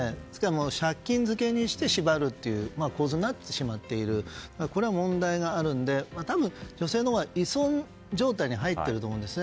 借金漬けにして縛るという構造は異常でこれは問題があるので多分女性のほうは依存状態に入ってると思うんです。